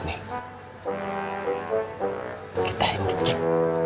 kita ingin cek